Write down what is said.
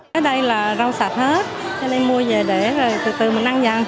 cái đây là rau sạch hết cái này mua về để rồi từ từ mình ăn dần